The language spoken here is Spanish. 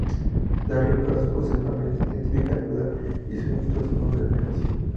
Darren Cross posee una mente científica aguda y es un exitoso hombre de negocios.